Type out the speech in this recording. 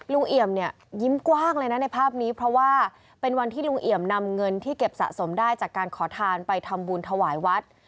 เอี่ยมเนี่ยยิ้มกว้างเลยนะในภาพนี้เพราะว่าเป็นวันที่ลุงเอี่ยมนำเงินที่เก็บสะสมได้จากการขอทานไปทำบุญถวายวัด